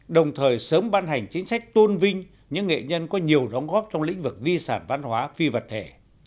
đồng thời sớm ban hành chính sách tôn vinh những nghệ nhân có nhiều đóng góp trong lĩnh vực di sản văn hóa phi vật thể